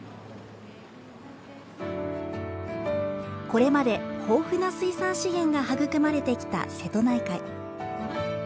これまで豊富な水産資源が育まれてきた、瀬戸内海。